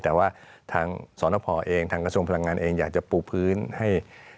แต่ว่าทางสนพเองทางกระทรวงพลังงานเองอยากจะปลูกพื้นให้